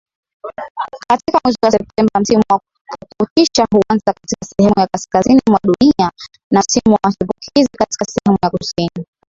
Katika mwezi wa Septemba msimu wa pukutisha huanza katika sehemu ya kaskazini mwa dunia na msimu wa chipukizi katika sehemu ya Kusini